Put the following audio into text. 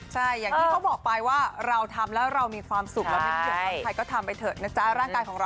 ตอนนี้เราต้องลาไปนะคะ